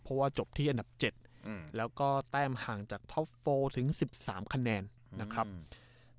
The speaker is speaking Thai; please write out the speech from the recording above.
เพราะว่าจบที่อันดับ๗แล้วก็แต้มห่างจากท็อป๔ถึง๑๓คะแนนนะครับ